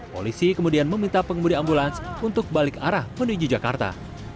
polisi kemudian meminta pengemudi ambulans untuk balik arah menuju jakarta